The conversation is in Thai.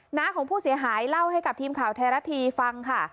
หน้าของผู้เสียหายเล่าให้กับทีมข่าวไทยรัฐทีวีฟังค่ะ